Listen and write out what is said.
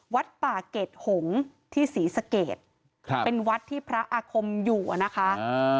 วัดป่าเกร็ดหงที่ศรีสเกตเป็นวัดที่พระอาคมอยู่นะคะ